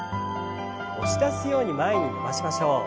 押し出すように前に伸ばしましょう。